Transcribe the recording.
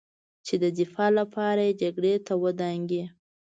چې د دفاع لپاره یې جګړې ته ودانګي